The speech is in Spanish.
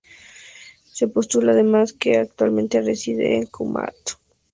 Se postula, además, que actualmente reside en Kumamoto.